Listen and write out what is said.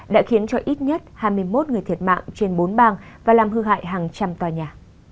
đã khiến cho ít nhất hai mươi một người thiệt mạng trên bốn bang và làm hư hại hàng trăm tòa nhà